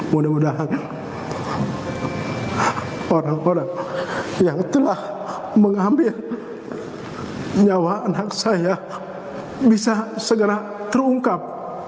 mudah mudahan orang orang yang telah mengambil nyawa anak saya bisa segera terungkap